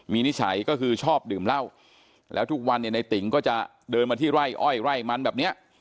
มีนิสัยก็คือชอบดื่มเหล้าแล้วทุกวันเนี่ยในติ๋งก็จะเดินมาที่ไร่อ้อยไร่มันแบบเนี้ย